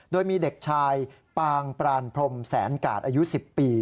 โดยมีเด็กชายปางปรานพรมแสนกาดอายุ๑๐ปี